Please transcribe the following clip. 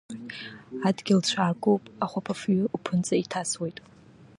Адгьыл цәаакуп, ахәаԥафҩы уԥынҵа иҭасуеит.